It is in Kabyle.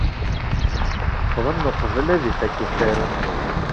Ffɣen uqbel ad ifak usaru-nni.